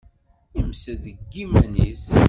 Imessel deg yiman-is.